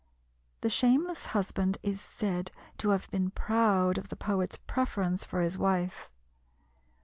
The shameless husband is said to have been proud of the poet's preference for his wife.